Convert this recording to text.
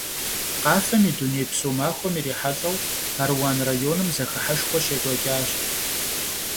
Къафэм и дунейпсо махуэм ирихьэлӀэу, Аруан районым зэхыхьэшхуэ щекӀуэкӀащ.